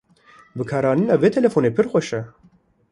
Bikaranîna vê telefonê pir xweş e.